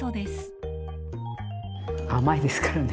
甘いですからね。